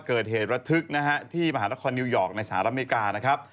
เกิดเหตุระทึกนะฮะที่มหานครนิวยอร์กในสหรัฐอเมริกานะครับ